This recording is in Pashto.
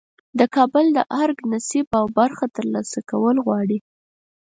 د کابل د ارګ نصیب او برخه ترلاسه کول غواړي.